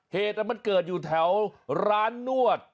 เหตุมันเกิดอยู่แถวร้านนวด